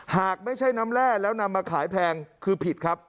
หากไม่ใช่น้ำแร่แล้วนำมาขายแพงคือผิดครับ